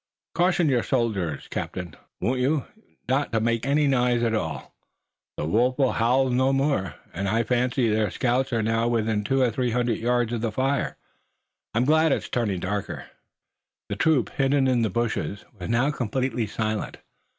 Caution your soldiers, captain, won't you, not to make any noise at all. The wolf will howl no more, and I fancy their scouts are now within two or three hundred yards of the fire. I'm glad it's turned darker." The troop, hidden in the bushes, was now completely silent.